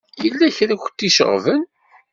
Yella kra i kent-iceɣben?